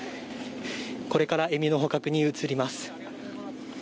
これからエミューの捕獲に移ります。